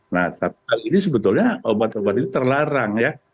nah tapi ini sebetulnya obat obat terlarang ya